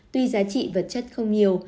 tuy giá trị vật chất không nhiều